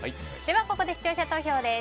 ここで、視聴者投票です。